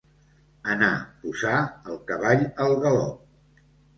Anar, posar, el cavall al galop.